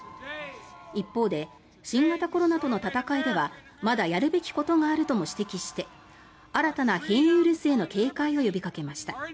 一方で、新型コロナとの闘いではまだやるべきことがあるとも指摘して新たな変異ウイルスへの警戒を呼びかけました。